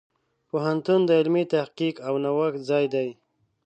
پوهنتون د علمي تحقیق او نوښت ځای دی.